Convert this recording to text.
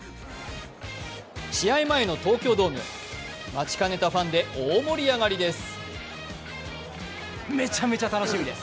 試合前の東京ドーム、待ちかねたファンで大盛り上がりです。